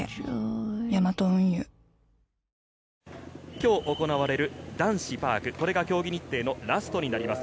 今日行われる男子パークこれが競技日程のラストになります。